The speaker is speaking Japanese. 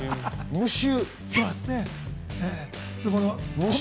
無臭。